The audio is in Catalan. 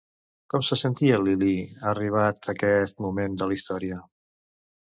Com se sentia Lilí, arribat aquest moment de la història?